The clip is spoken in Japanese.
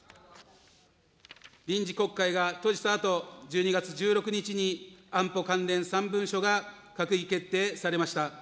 臨時国会が閉じたあと、１２月１６日に安保関連３文書が閣議決定されました。